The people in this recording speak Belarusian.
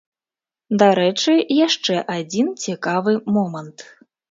Дарэчы, яшчэ адзін цікавы момант.